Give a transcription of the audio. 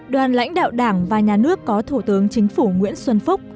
đoàn lãnh đạo đảng và nhà nước có thủ tướng chính phủ nguyễn xuân phúc